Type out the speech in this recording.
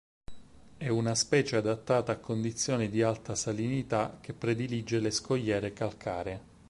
È una specie adattata a condizioni di alta salinità che predilige le scogliere calcaree.